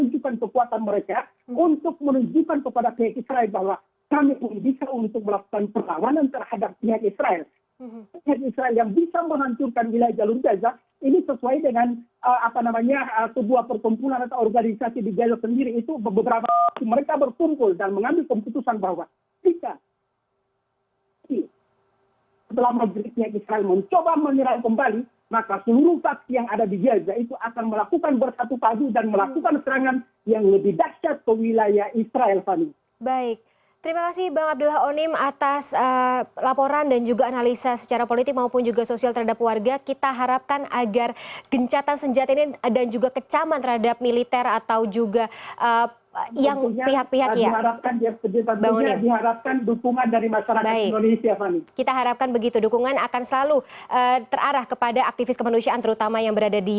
terima kasih bang abdullah onim atas laporan